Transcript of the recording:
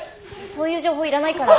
そういう情報いらないから。